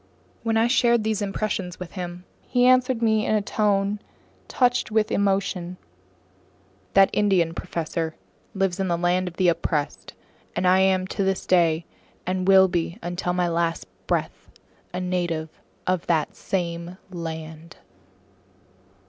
When I shared these impressions with him, he answered me in a tone touched with emotion: "That Indian, professor, lives in the land of the oppressed, and I am to this day, and will be until my last breath, a native of that same land!"